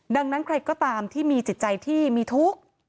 ดังนั้นใครก็ตามที่มีจิตใจที่มีทุกข์